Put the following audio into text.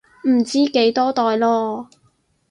唔知幾多代囉